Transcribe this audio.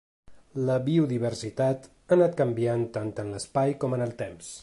La biodiversitat ha anat canviant tant en l’espai com en el temps.